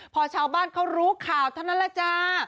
พอชาวบ้านเขารู้ข่าวเท่านั้นแหละจ้า